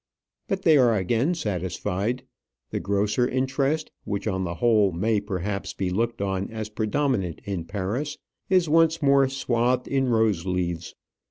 But they are again satisfied. The grocer interest, which on the whole may perhaps be looked on as predominant in Paris, is once more swathed in rose leaves.